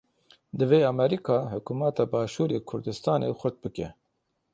Divê Amerîka hikûmeta başûrê Kurdistanê xurt bike.